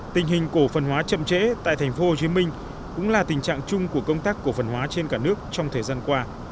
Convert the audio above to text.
tình hình cổ phần hóa chậm trễ tại tp hcm cũng là tình trạng chung của công tác cổ phần hóa trên cả nước trong thời gian qua